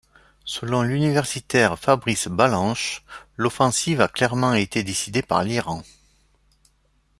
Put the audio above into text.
Selon l'universitaire Fabrice Balanche, l'offensive a clairement été décidée par l'Iran.